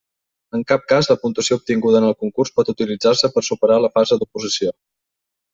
En cap cas la puntuació obtinguda en el concurs pot utilitzar-se per superar la fase d'oposició.